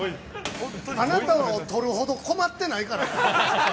あなたを取るほど困ってないから。